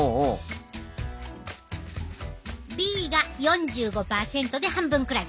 Ｂが４５％で半分くらい。